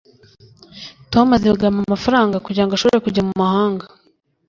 tom azigama amafaranga kugirango ashobore kujya mumahanga